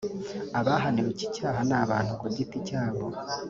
Abahaniwe iki cyaha ni abantu ku giti cyabo